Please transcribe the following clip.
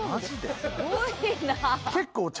すごいな。